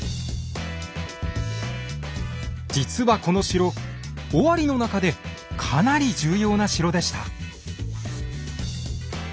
実はこの城尾張の中でかなり重要な城でした。